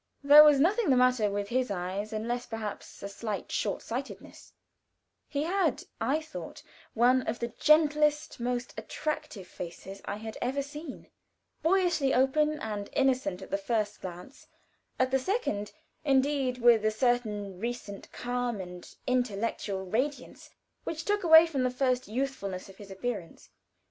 There was nothing the matter with his eyes, unless perhaps a slight short sightedness; he had, I thought, one of the gentlest, most attractive faces I had ever seen; boyishly open and innocent at the first glance; at the second, indued with a certain reticent calm and intellectual radiance which took away from the first youthfulness of his appearance.